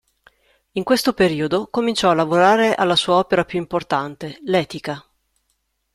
In questo periodo cominciò a lavorare alla sua opera più importante, l"'Ethica".